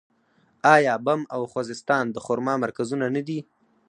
آیا بم او خوزستان د خرما مرکزونه نه دي؟